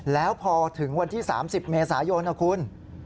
แล้วพอถึงวันที่๓๐เมษายนนะคุณ